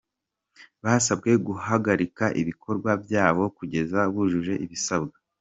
Basabwe guhagarika ibikorwa byabo kugeza bujuje ibisabwa.